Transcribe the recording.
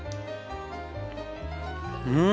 うん！